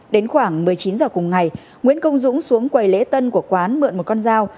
đến khoảng một mươi chín h cùng ngày nguyễn công dũng xuống quầy lễ tân của quán mượn một con dao